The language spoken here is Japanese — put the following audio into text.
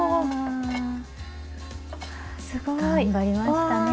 すごい！頑張りましたね。